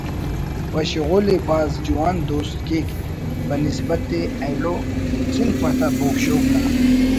و شغل ئے باز جوان دوست کیک بنسبت ئے ایلو صنف آتا بوگ شوگ نا